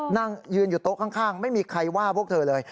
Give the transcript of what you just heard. นั่งยืนอยู่โต๊ะข้างไม่มีใครว่าพวกเธอเลย